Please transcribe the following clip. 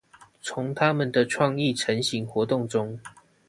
從他們的創意晨型活動中